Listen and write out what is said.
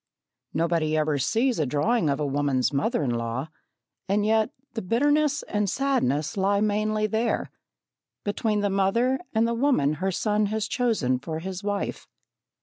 Nobody ever sees a drawing of a woman's mother in law, and yet, the bitterness and sadness lie mainly there between the mother and the woman his son has chosen for his wife.